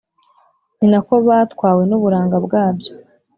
ni na ko batwawe n’uburanga bwabyo,